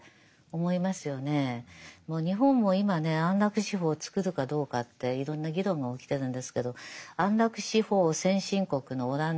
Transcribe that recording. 日本も今ね安楽死法作るかどうかっていろんな議論が起きてるんですけど安楽死法先進国のオランダでですね